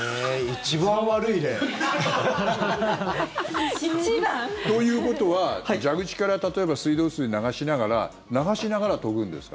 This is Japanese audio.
一番悪い例。ということは蛇口から例えば水道水流しながら流しながら研ぐんですか？